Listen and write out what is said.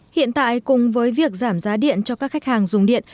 hiện tại cùng với việc giảm giá điện cho các khách hàng dùng điện